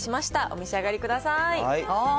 お召し上がりください。